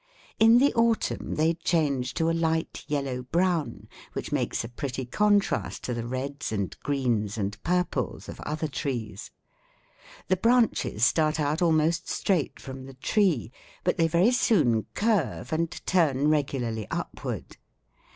In the autumn they change to a light yellow brown, which makes a pretty contrast to the reds and greens and purples of other trees. The branches start out almost straight from the tree, but they very soon curve and turn regularly upward.